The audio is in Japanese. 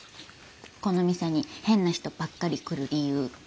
この店に変な人ばっかり来る理由。